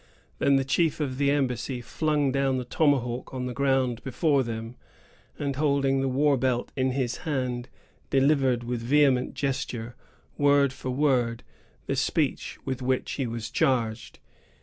Then the chief of the embassy flung down the tomahawk on the ground before them, and holding the war belt in his hand, delivered, with vehement gesture, word for word, the speech with which he was charged.